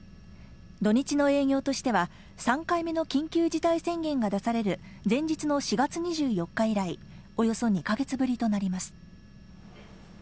土日の営業としては３回目の緊急事態宣言が出される前日の４月２４日以来、およそ２か月ぶりとなります。